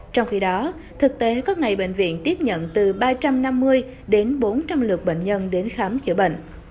trong khi đó thực tế có ngày bệnh viện tiếp nhận từ ba trăm năm mươi đến bốn trăm linh lượt bệnh nhân đến khám chữa bệnh